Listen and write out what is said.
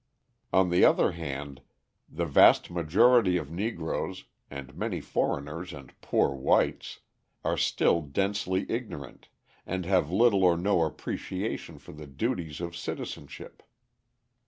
On the other hand, the vast majority of Negroes (and many foreigners and "poor whites") are still densely ignorant, and have little or no appreciation of the duties of citizenship.